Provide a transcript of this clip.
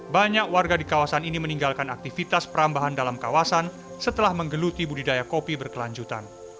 banyak warga di kawasan ini meninggalkan aktivitas perambahan dalam kawasan setelah menggeluti budidaya kopi berkelanjutan